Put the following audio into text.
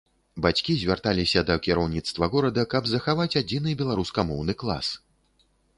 Бацькі звярталіся да кіраўніцтва горада, каб захаваць адзіны беларускамоўны клас.